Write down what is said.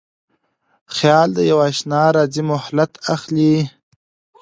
خیال د یواشنا راځی مهلت اخلي